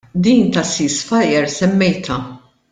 Din tas-ceasefire semmejtha.